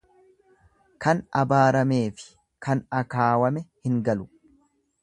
Kan abaarameefi kan akaawame hin galu.